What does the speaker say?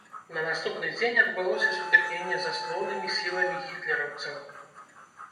На наступны дзень адбылося сутыкненне з асноўнымі сіламі гітлераўцаў.